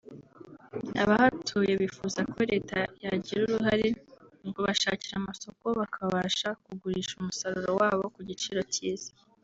abahatuye bifuza ko Leta yagira uruhare mu kubashakira amasoko bakabasha kugurisha umusaruro wabo ku giciro cyiza